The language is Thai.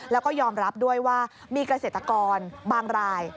แล้วก็ยอมรับด้วยว่ามีเกษตรกรบางราย